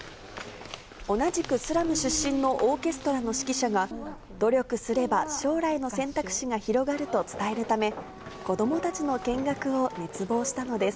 同じくスラム出身のオーケストラの指揮者が、努力すれば将来の選択肢が広がると伝えるため、子どもたちの見学を熱望したのです。